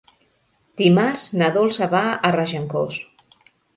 Dimarts na Dolça va a Regencós.